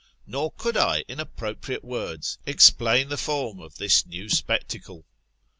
Nor could I, in appropriate words, explain the form of this new spectacle.